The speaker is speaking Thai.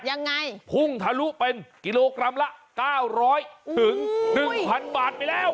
ยังไงพุ่งทะลุเป็นกิโลกรัมละ๙๐๐ถึง๑๐๐บาทไปแล้ว